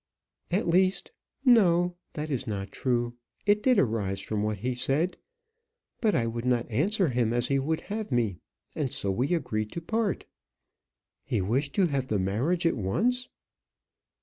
At least no; that is not true. It did arise from what he said; but I would not answer him as he would have me; and so we agreed to part." "He wished to have the marriage at once?"